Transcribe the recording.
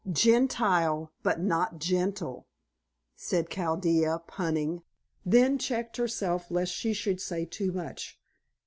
"Gentile but not gentle," said Chaldea punning, then checked herself lest she should say too much.